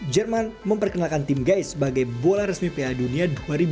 jerman memperkenalkan team geist sebagai bola resmi piala dunia dua ribu enam